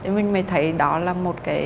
thì mình mới thấy đó là một cái chất liệu